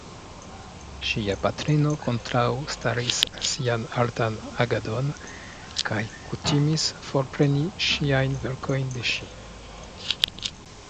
Ŝia patrino kontraŭstaris sian artan agadon kaj kutimis forpreni ŝiajn verkojn de ŝi.